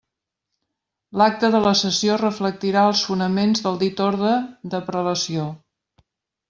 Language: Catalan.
L'acta de la sessió reflectirà els fonaments del dit orde de prelació.